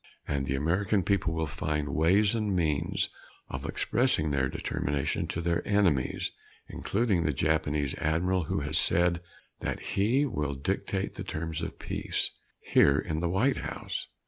And the American people will find ways and means of expressing their determination to their enemies, including the Japanese Admiral who has said that he will dictate the terms of peace here in the White House.